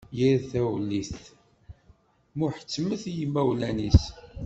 Yir tawellit, muḥettmet i yimawlan-is.